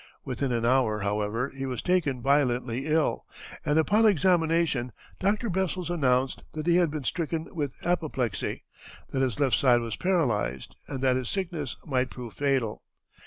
Within an hour, however, he was taken violently ill, and upon examination, Dr. Bessels announced that he had been stricken with apoplexy, that his left side was paralyzed, and that his sickness might prove fatal.